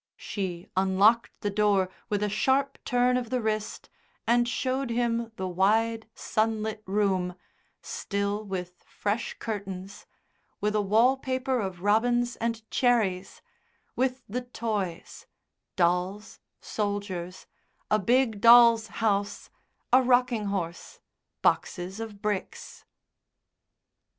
She unlocked the door with a sharp turn of the wrist and showed him the wide sun lit room, still with fresh curtains, with a wall paper of robins and cherries, with the toys dolls, soldiers, a big dolls' house, a rocking horse, boxes of bricks.